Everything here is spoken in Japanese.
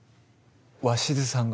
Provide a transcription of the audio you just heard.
鷲津さんが？